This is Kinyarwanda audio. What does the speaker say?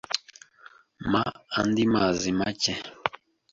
Mpa andi mazi make.